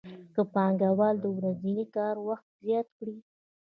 که پانګوال د ورځني کار وخت زیات کړي